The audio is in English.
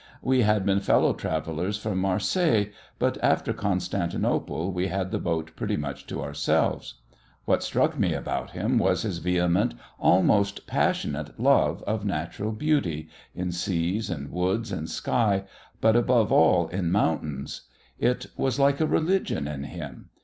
We had been fellow travellers from Marseilles, but after Constantinople we had the boat pretty much to ourselves. What struck me about him was his vehement, almost passionate, love of natural beauty in seas and woods and sky, but above all in mountains. It was like a religion in him.